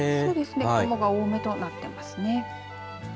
雲が多めとなっていますね。